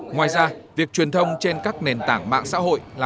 ngoài ra việc truyền thông trên các nền tảng mạng xã hội